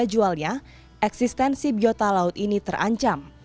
pada jualnya eksistensi biota laut ini terancam